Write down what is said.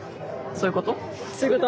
そういうこと？